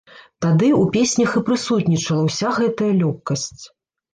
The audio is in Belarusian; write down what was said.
Тады ў песнях і прысутнічала ўся гэтая лёгкасць.